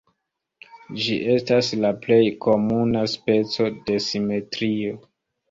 Ĝi estas la plej komuna speco de simetrio.